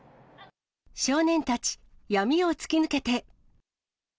少年たち闇を突き抜けて。